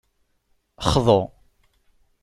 Xḍu.